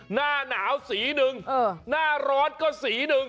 หน้าหนาวสี๑หน้าร้อนก็สี๑